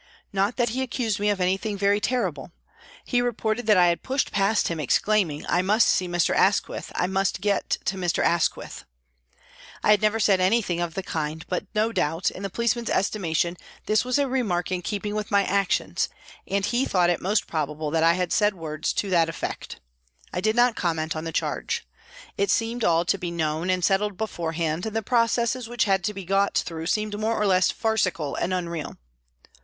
Not that he accused me of anything very terrible. He reported that I had pushed past him exclaiming, "I must see Mr. Asquith, I must get to Mr. Asquith." I had never said anything of the kind, but no doubt, in the policeman's estimation, this was a remark in keeping with my actions, and he thought it most probable POLICE COURT TRIAL 57 that I had said words to that effect. I did not com ment on the charge. It seemed all to be known and settled beforehand, and the processes which had to be got through seemed more or less farcical and unreal.